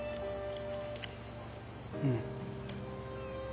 うん。